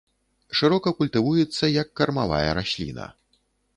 Шырока культывуецца як кармавая расліна.